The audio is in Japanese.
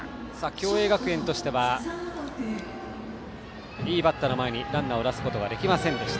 共栄学園としてはいいバッターの前にランナーを出すことができませんでした。